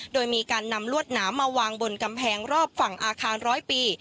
โดยมีการนำลวดหนามมาวางบนกำแพงรอบฝั่งอาคารร้อยปี